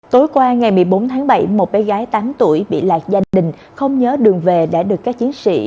tối qua ngày một mươi bốn tháng bảy một bé gái tám tuổi bị lạc gia đình không nhớ đường về đã được các chiến sĩ